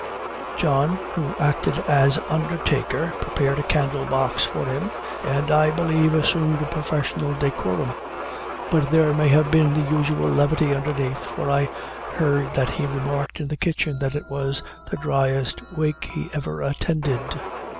John, who acted as undertaker, prepared a candle box for him, and I believe assumed a professional decorum; but there may have been the usual levity underneath, for I heard that he remarked in the kitchen that it was the "dryest wake he ever attended."